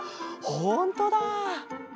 ほんとだ！